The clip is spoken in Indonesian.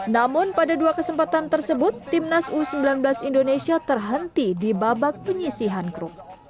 namun pada dua kesempatan tersebut timnas u sembilan belas indonesia terhenti di babak penyisihan grup